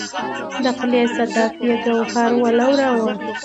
د خولې صدف یې ګوهر ولوراوه